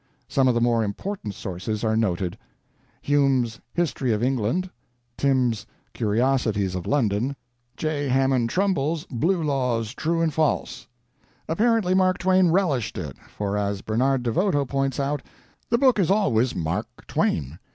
Some of the more important sources are noted: Hume's 'History of England', Timbs' 'Curiosities of London', J. Hammond Trumbull's 'Blue Laws, True and False'. Apparently Mark Twain relished it, for as Bernard DeVoto points out, "The book is always Mark Twain.